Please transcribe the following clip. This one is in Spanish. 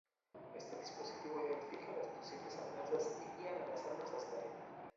Este dispositivo identifica las posibles amenazas y guían a las armas hasta ellas.